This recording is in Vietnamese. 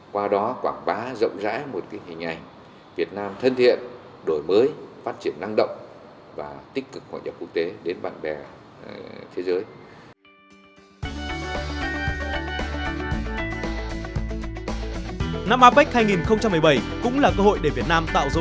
qua đó quảng bá rộng rãi một hình ảnh việt nam thân thiện đổi mới phát triển năng động và tích cực hội nhập quốc tế đến bạn bè thế giới